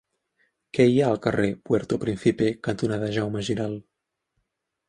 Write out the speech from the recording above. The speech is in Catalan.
Què hi ha al carrer Puerto Príncipe cantonada Jaume Giralt?